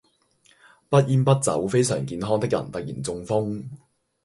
不煙不酒非常健康的人突然中風